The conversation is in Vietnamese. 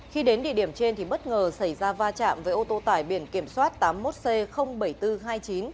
khi đến địa điểm trên thì bất ngờ xảy ra va chạm với ô tô tải biển kiểm soát tám mươi một c bảy nghìn bốn trăm hai mươi chín